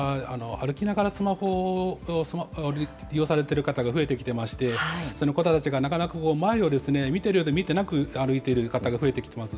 最近は歩きながらスマホを利用されている方が増えてきていまして、その方たちがなかなか前を見てるようで見てなく歩いてる方が増えてきています。